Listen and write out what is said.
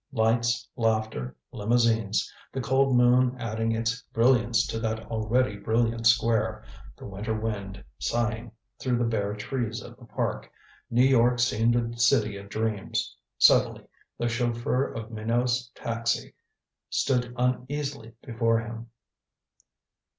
Lights, laughter, limousines, the cold moon adding its brilliance to that already brilliant square, the winter wind sighing through the bare trees of the park New York seemed a city of dreams. Suddenly the chauffeur of Minot's taxi stood uneasily before him.